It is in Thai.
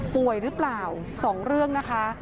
ป่วยหรือเปล่า๒เรื่องนะคะ